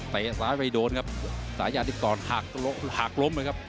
เตะซ้ายไปโดนครับซ้ายเล็กที่ก่อนหากล้มเลยครับ